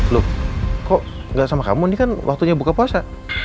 loh kok gak sama kamu ini kan waktunya buka puasa